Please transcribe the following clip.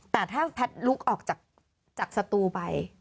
แต่ถ้าแพทย์ลุกออกจากสตูไป